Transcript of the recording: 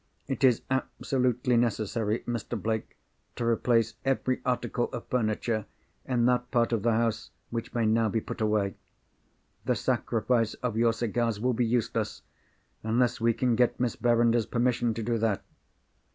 It is absolutely necessary, Mr. Blake, to replace every article of furniture in that part of the house which may now be put away. The sacrifice of your cigars will be useless, unless we can get Miss Verinder's permission to do that."